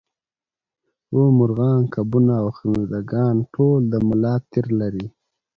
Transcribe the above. هو مارغان کبونه او خزنده ګان ټول د ملا تیر لري